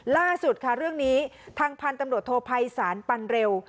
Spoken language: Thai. ล่าสุดค่ะเรื่องนี้ทางพันธุ์ตำรวจโทภัยศาลปันเร็ว